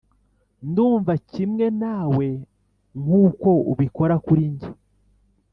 ] ndumva kimwe nawe nkuko ubikora kuri njye.